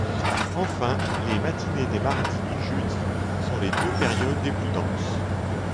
Enfin, les matinées des mardis et jeudis sont les deux périodes les plus denses.